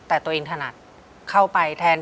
ที่ผ่านมาที่มันถูกบอกว่าเป็นกีฬาพื้นบ้านเนี่ย